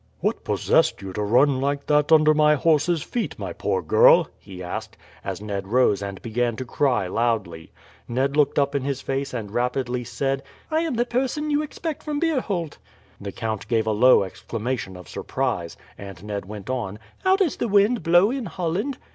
"What possessed you to run like that under my horse's feet, my poor girl?" he asked, as Ned rose and began to cry loudly. Ned looked up in his face and rapidly said: "I am the person you expect from Beerholt." The count gave a low exclamation of surprise, and Ned went on, "How does the wind blow in Holland?"